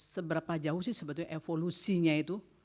seberapa jauh sih sebetulnya evolusinya itu